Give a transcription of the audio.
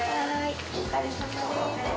お疲れさまです。